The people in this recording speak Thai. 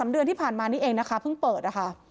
เดือนที่ผ่านมานี่เองนะคะเพิ่งเปิดนะคะ